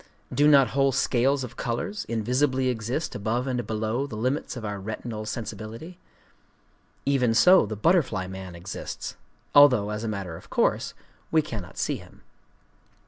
Do not whole scales of colors invisibly exist above and below the limits of our retinal sensibility? Even so the butterfly man exists,—although, as a matter of course, we cannot see him.